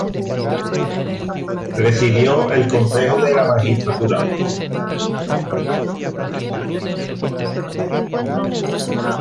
Presidió el Consejo de la Magistratura.